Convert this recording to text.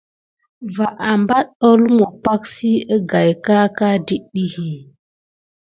Va apat ó lumu pak si agaye aka det ɗiy.